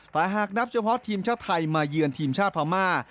แต่หากนับเฉพาะทีมชาติไทยมาเยือนทีมชาติพม่า